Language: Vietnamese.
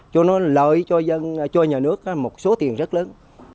cho nó lợi cho nhà nước một số tiền rất lớn